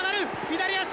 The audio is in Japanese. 左足！